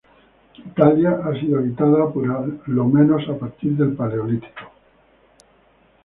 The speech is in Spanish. Italia ha sido habitada por lo menos a partir del Paleolítico.